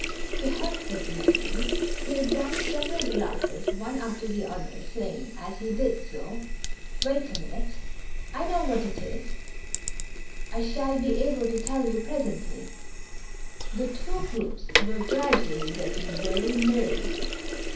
To help his memory, he drank several glasses one after the other, saying, as he did so: " Wait a minute, I know what it is. I shall be able to tell you presently." The two groups were gradually getting very merry.